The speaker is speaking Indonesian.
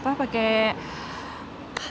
patah breakdown advocating